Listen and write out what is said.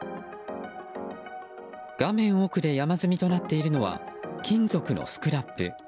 画面奥で山積みとなっているのは金属のスクラップ。